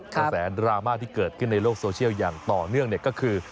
กระแสดราม่าที่เกิดขึ้นในโลกโซเชียลอย่างต่อเนื่องก็คือ